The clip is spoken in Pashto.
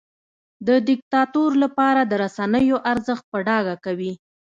د دیکتاتور لپاره د رسنیو ارزښت په ډاګه کوي.